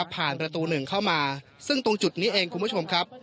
ประตูหนึ่งเข้ามาซึ่งตรงจุดนี้เองคุณผู้ชมครับ